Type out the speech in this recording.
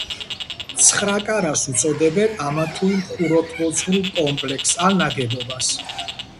ცხრაკარას უწოდებენ ამა თუ იმ ხუროთმოძღვრულ კომპლექსს ან ნაგებობას.